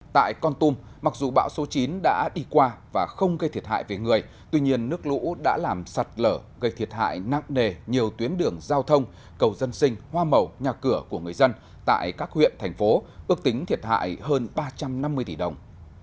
tại con tum mặc dù bão số chín đã đi qua và không gây thiệt hại về người tuy nhiên nước lũ đã làm sạt lở gây thiệt hại nặng nề nhiều tuyến đường giao thông cầu dân sinh hoa màu nhà cửa của người dân tại các huyện thành phố ước tính thiệt hại hơn ba trăm năm mươi tỷ đồng